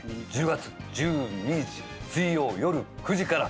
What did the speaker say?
１０月１２日水曜よる９時から。